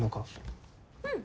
うん。